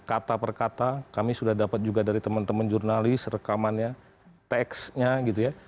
kata per kata kami sudah dapat juga dari teman teman jurnalis rekamannya teksnya gitu ya